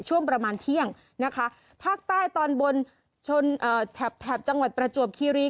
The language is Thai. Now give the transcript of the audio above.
ช่วงประมาณเที่ยงนะคะภาคใต้ตอนบนชนแถบแถบจังหวัดประจวบคีรี